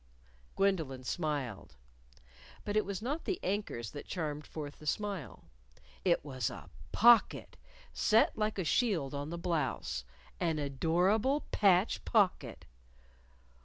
Gwendolyn smiled. But it was not the anchors that charmed forth the smile. It was a pocket, set like a shield on the blouse an adorable patch pocket!